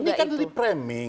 nah ini kan di priming